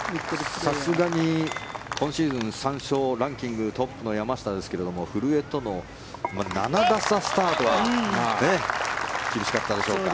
さすがに今シーズン３勝ランキングトップの山下ですが古江との７打差スタートは厳しかったでしょうか。